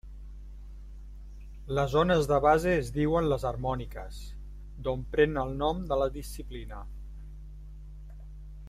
Les ones de base es diuen les harmòniques, d'on pren el nom de la disciplina.